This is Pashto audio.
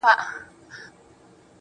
هغه چي ته يې په هغه دنيا له خدايه غوښتې_